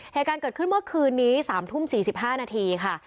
เหตุการณ์เกิดขึ้นเมื่อคืนนี้๓ทุ่ม๔๕นาทีค่ะ